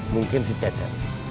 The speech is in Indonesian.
mungkin si cece